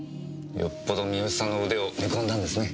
よっぽど三好さんの腕を見込んだんですね。